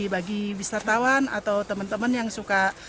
jadi bagi wisatawan atau teman teman yang suka